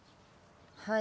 はい。